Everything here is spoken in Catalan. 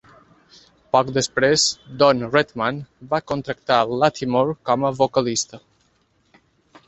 Poc després, Don Redman va contractar Lattimore com a vocalista.